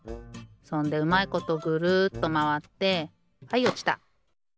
そんでうまいことぐるっとまわってはいおちた。